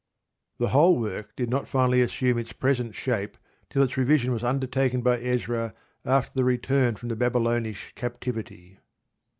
The whole work did not finally assume its present shape till its revision was undertaken by Ezra after the return from the Babylonish captivity.